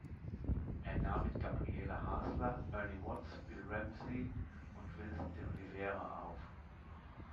Er nahm mit Gabriele Hasler, Ernie Watts, Bill Ramsey und Wilson de Oliveira auf.